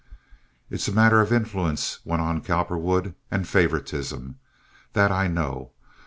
"It's a matter of influence," went on Cowperwood. "And favoritism. That I know.